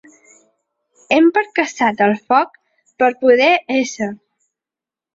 Hem percaçat el foc per poder ésser.